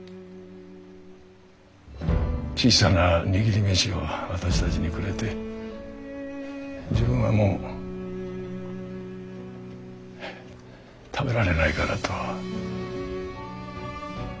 小さな握り飯を私たちにくれて自分はもう食べられないからと。